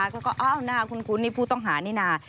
ก็อ้าวหน้าคุ้นนี่ผู้ต้องหานี่นะ